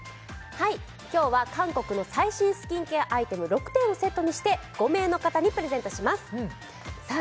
今日は韓国の最新スキンケアアイテム６点をセットにして５名の方にプレゼントしますさあ